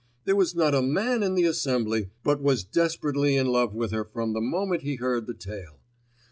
There was not a man in the assembly but was desperately in love with her from the moment he heard the tale.